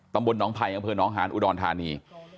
ตำบลน้องภัยของเพลินน้องฮานอุดรธานี